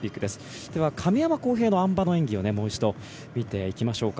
亀山耕平のあん馬の演技をもう一度見ていきましょうか。